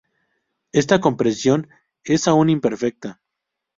Esta comprensión es aún imperfecta.